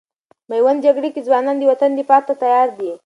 میوند جګړې کې ځوانان د وطن دفاع ته تیار دي.